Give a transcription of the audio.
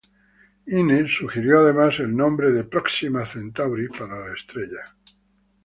Innes sugirió además el nombre de "Próxima Centauri" para la estrella.